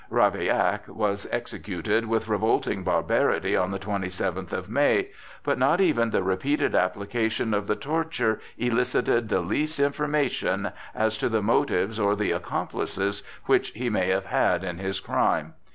Ravaillac was executed with revolting barbarity on the twenty seventh of May, but not even the repeated application of the torture elicited the least information as to the motives or the accomplices which he may have had in his crime.